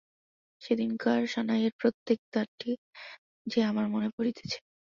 সেদিনকার সানাইয়ের প্রত্যেক তানটি যে আমার মনে পড়িতেছে।